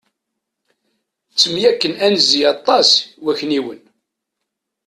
Ttemyakken anzi aṭas wakniwen.